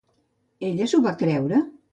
Ella s'ho va creure?